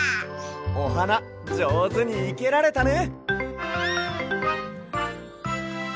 おはなじょうずにいけられたね。